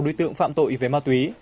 ba mươi sáu đối tượng phạm tội về ma túy